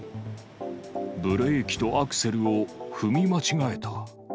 ブレーキとアクセルを踏み間違えた。